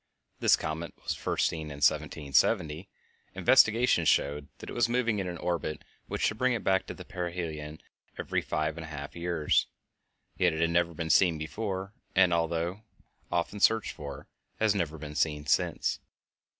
This comet was first seen in 1770. Investigation showed that it was moving in an orbit which should bring it back to perihelion every five and a half years; yet it had never been seen before and, although often searched for, has never been seen since.